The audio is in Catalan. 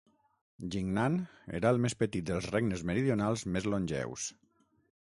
Jingnan era el més petit dels regnes meridionals més longeus.